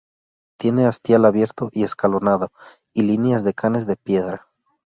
Tiene hastial abierto y escalonado, y líneas de canes de piedra.